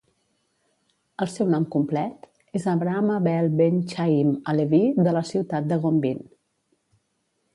El seu nom complet és Avraham Abele ben Chaim HaLevi de la ciutat de Gombin.